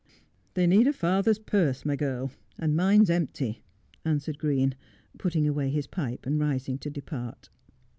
'They need a father's purse, my girL and mine's empty,' answered Green, putting away his pipe and rising to depart.